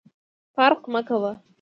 فرق مه کوه !